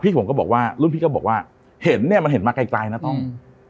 ผมก็บอกว่ารุ่นพี่ก็บอกว่าเห็นเนี่ยมันเห็นมาไกลไกลนะต้อง